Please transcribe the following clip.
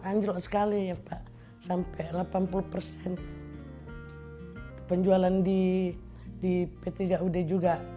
anjlok sekali ya pak sampai delapan puluh persen penjualan di p tiga ud juga